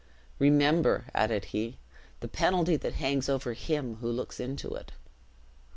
"Remember," added he, "the penalty that hangs over him who looks into it."